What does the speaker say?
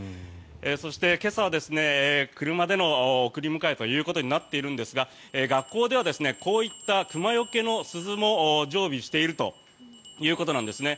そして、今朝は車での送り迎えということになっているんですが学校ではこういった熊よけの鈴も常備しているということなんですね。